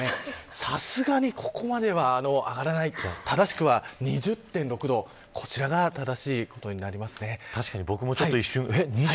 さすがにここまでは上がらないと正しくは２０．６度これが正しいことになります。